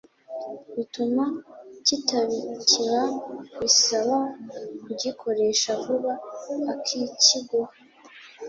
bituma kitabikika bisaba kugikoresha vuba ukikigura